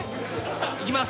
いきます。